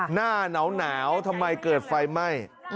หน้าหนาวทำไมเกิดไฟไหม้